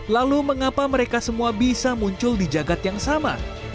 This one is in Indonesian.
lalu mengapa mereka semua bisa muncul di jagad yang sama